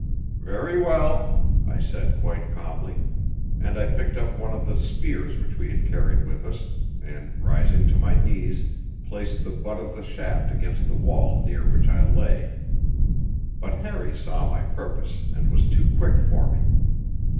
"Very well," I said quite calmly; and I picked up one of the spears which we had carried with us, and, rising to my knees, placed the butt of the shaft against the wall near which I lay. But Harry saw my purpose, and was too quick for me.